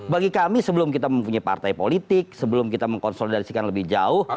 bagi kami sebelum kita mempunyai partai politik sebelum kita mengkonsolidasikan lebih jauh